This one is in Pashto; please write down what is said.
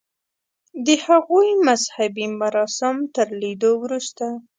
د هغوی مذهبي مراسم تر لیدو وروسته.